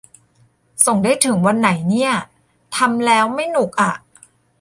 ส่งได้ถึงวันไหนเนี่ย ทำแล้วไม่หนุกอ่ะ